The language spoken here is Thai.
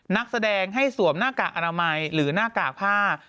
นักแสดงให้สวมหน้ากากอนามัยหรือหน้ากากผ้า